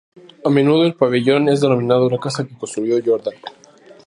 A menudo el pabellón es denominado "la casa que construyó Jordan".